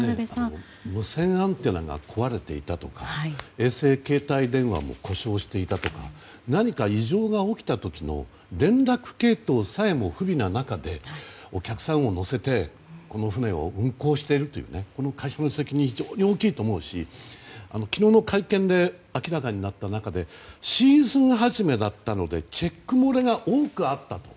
無線アンテナが壊れていたとか衛星携帯電話も故障していたとか何か異常が起きた時の連絡系統さえも不備な中でお客さんを乗せてこの船を運航しているというこの会社の責任は非常に大きいと思うし昨日の会見で明らかになった中でシーズン初めだったのでチェック漏れが多くあったと。